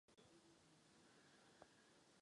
Doufám, že se vrátíme z úspěšného summitu.